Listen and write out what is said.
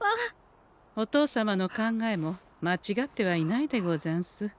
お父様の考えも間違ってはいないでござんす。